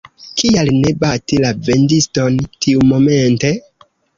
Kial ne bati la vendiston tiumomente?